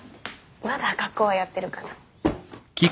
まだ学校はやってるかな。